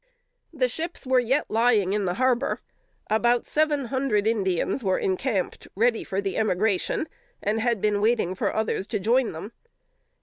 The ships were yet lying in the harbor. About seven hundred Indians were encamped ready for emigration, and had been waiting for others to join them.